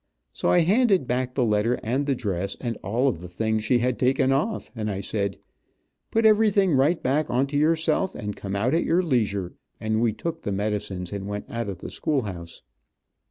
So I handed back the letter and the dress, and all of the things she had taken off, and I said: "Put everything right back onto yourself, and come out at your leisure, and we took the medicines and went out of the schoolhouse.